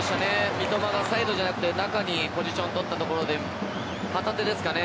三笘がサイドじゃなくて中にポジションを取ったところで旗手ですかね。